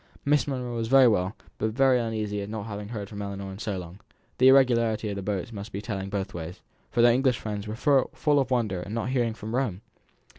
Miss Monro was very well, but very uneasy at not having heard from Ellinor for so long; the irregularity of the boats must be telling both ways, for their English friends were full of wonder at not hearing from Rome.